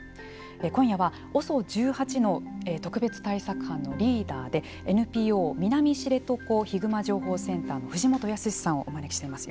今夜はＯＳＯ１８の特別対策班のリーダーでＮＰＯ南知床・ヒグマ情報センターの藤本靖さんをお招きしています。